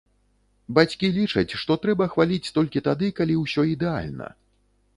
Бацькі лічаць, што трэба хваліць толькі тады, калі ўсё ідэальна.